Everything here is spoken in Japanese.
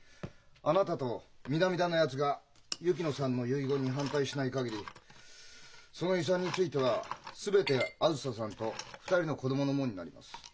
あなたと南田のやつが薫乃さんの遺言に反対しない限りその遺産については全てあづささんと２人の子供のものになります。